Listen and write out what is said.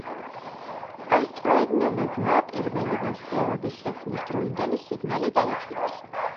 ასტრონომებმა პირველი ვარსკვლავების შექმნის დროინდელი სიგნალი დაიჭირეს.